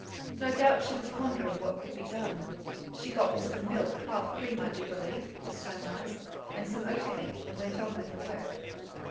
No doubt she was pondering what could be done. She got me some milk half cream I do believe, it was so nice and some oatcake, and went on with her work.